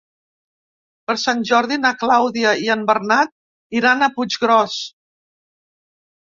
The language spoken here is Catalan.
Per Sant Jordi na Clàudia i en Bernat iran a Puiggròs.